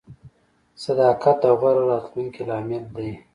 • صداقت د غوره راتلونکي لامل دی.